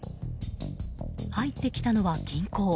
入ってきたのは銀行。